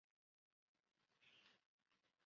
张国龙及核四公投促进会召集人。